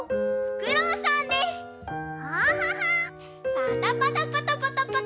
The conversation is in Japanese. パタパタパタパタパタ。